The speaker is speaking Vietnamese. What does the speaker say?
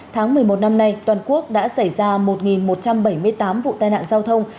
tháng một mươi một năm nay toàn quốc đã xảy ra một một trăm bảy mươi tám vụ tai nạn giao thông